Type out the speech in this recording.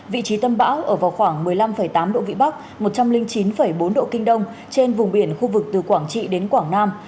vị trí tâm bão ở vào khoảng một mươi năm tám độ vĩ bắc một trăm linh chín bốn độ kinh đông trên vùng biển khu vực từ quảng trị đến quảng nam